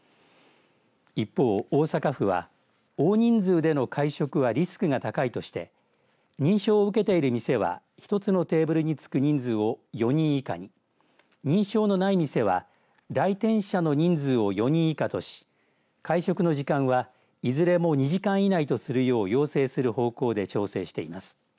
一方、大阪府は大人数での会食はリスクが高いとして認証を受けている店は１つのテーブルにつく人数を４人以下に認証のない店は来店者の人数を４人以下とし会食の時間はいずれも２時間以内とするよう要請する方向で調整しています。